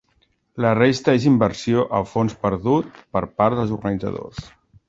La resta és inversió a fons perdut per part dels organitzadors.